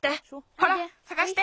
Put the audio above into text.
ほらさがして。